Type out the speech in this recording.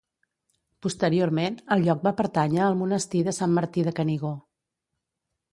Posteriorment el lloc va pertànyer al Monestir de Sant Martí de Canigó.